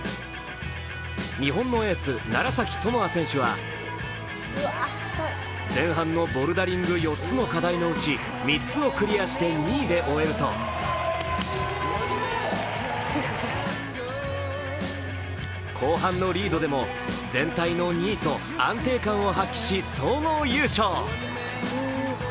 日本のエース・楢崎智亜選手は前半のボルダリング４つの課題のうち３つをクリアして２位で終えると後半のリードでも全体の２位と安定感を発揮し、総合優勝。